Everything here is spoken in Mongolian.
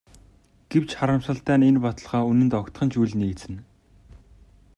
Гэвч харамсалтай нь энэ баталгаа үнэнд огтхон ч үл нийцнэ.